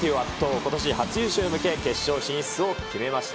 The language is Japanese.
ことし初優勝へ向け、決勝進出を決めました。